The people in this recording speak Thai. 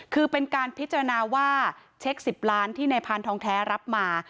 คือเป็นการพิจารณาว่าเช็ค๑๐ล้านที่นายพานทองแท้รับมา